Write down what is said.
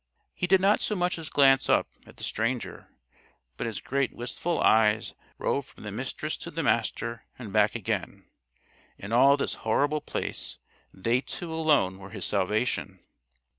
He did not so much as glance up at the stranger, but his great wistful eyes roved from the Mistress to the Master and back again. In all this horrible place they two alone were his salvation.